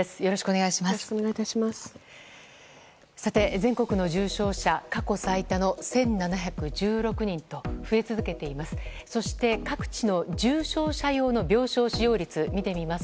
全国の重症者過去最多の１７１６人と増え続けています。